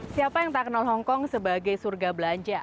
siapa yang tak kenal hongkong sebagai surga belanja